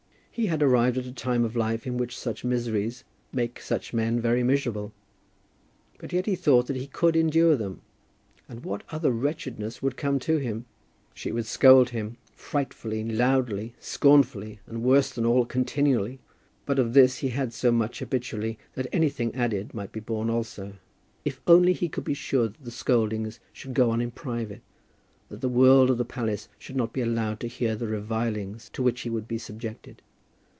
He had arrived at a time of life in which such miseries make such men very miserable; but yet he thought that he could endure them. And what other wretchedness would come to him? She would scold him, frightfully, loudly, scornfully, and worse than all, continually. But of this he had so much habitually, that anything added might be borne also; if only he could be sure that the scoldings should go on in private, that the world of the palace should not be allowed to hear the revilings to which he would be subjected.